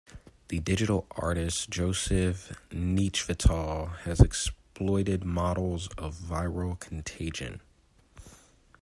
The digital artist Joseph Nechvatal has exploited models of viral contagion.